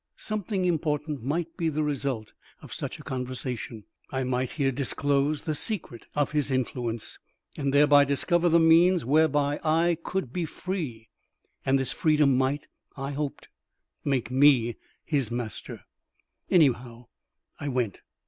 Something important might be the result of such a conversation. I might hear disclosed the secret of his influence, and thereby discover the means whereby I could be free, and this freedom might, I hoped, make me his master. Anyhow, I went.